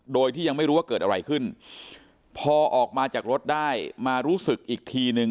โดยที่ยังไม่รู้ว่าเกิดอะไรขึ้นพอออกมาจากรถได้มารู้สึกอีกทีนึง